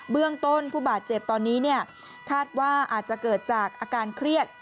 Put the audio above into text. เรื่องต้นผู้บาดเจ็บตอนนี้คาดว่าอาจจะเกิดจากอาการเครียด